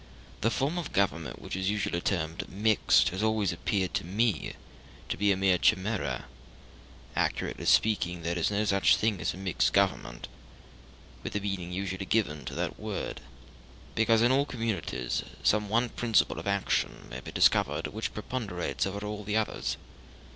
The form of government which is usually termed mixed has always appeared to me to be a mere chimera. Accurately speaking there is no such thing as a mixed government (with the meaning usually given to that word), because in all communities some one principle of action may be discovered which preponderates over the others.